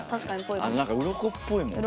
うろこっぽいもん。